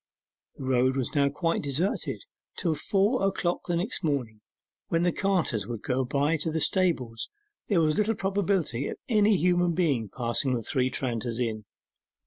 The road was now quite deserted: till four o'clock the next morning, when the carters would go by to the stables there was little probability of any human being passing the Three Tranters Inn.